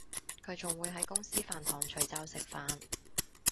佢仲會喺公司飯堂除罩食飯